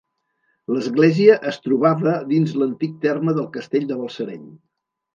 L'església es trobava dins l'antic terme del castell de Balsareny.